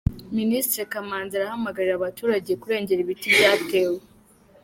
Minisitiri Kamanzi arahamagarira abaturage kurengera ibiti byatewe